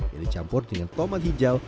yang dicampur dengan tomat hijau